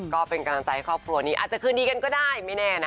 ก็เป็นกำลังใจให้ครอบครัวนี้อาจจะคืนดีกันก็ได้ไม่แน่นะ